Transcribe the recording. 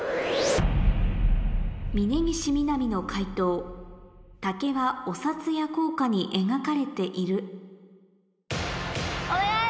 峯岸みなみの解答タケはお札や硬貨に描かれているお願い！